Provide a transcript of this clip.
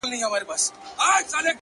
• له هري تر بدخشانه ارغوان وي غوړېدلی ,